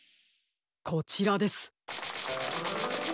こちらです。